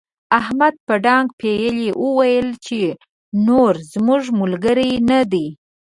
احمد په ډانګ پېيلې وويل چې نور زموږ ملګری نه دی.